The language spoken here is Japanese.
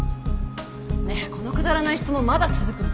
ねえこのくだらない質問まだ続くの？